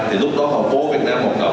thì lúc đó họ phố việt nam học tập